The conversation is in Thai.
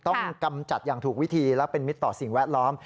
กำจัดอย่างถูกวิธีและเป็นมิตรต่อสิ่งแวดล้อม